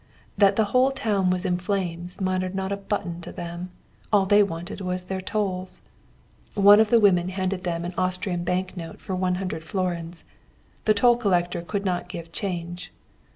That the whole town was in flames mattered not a button to them, all they wanted was their tolls. One of the women handed them an Austrian bank note for 100 florins. The toll collector could not give change.